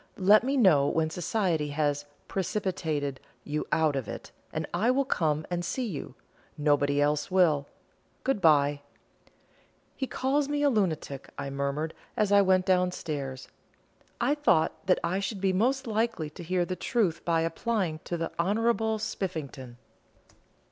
Let me know when society has 'precipitated' you out of it, and I will come and see you. Nobody else will. Good bye!" "He calls me a lunatic," I murmured, as I went down stairs; "I thought that I should be most likely to hear the truth by applying to the Honourable Spiffington."